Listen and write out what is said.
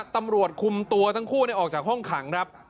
ตำรวจคุมตัวทั้งคู่ออกจากห้องขังครับ